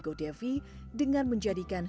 godevi dengan menjadikan